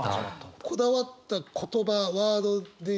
こだわった言葉ワードで言うと？